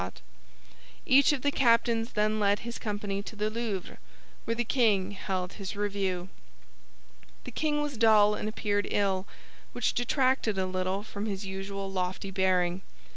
Each of the captains then led his company to the Louvre, where the king held his review. The king was dull and appeared ill, which detracted a little from his usual lofty bearing.